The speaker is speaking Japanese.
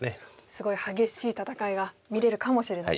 すごい激しい戦いが見れるかもしれないですか。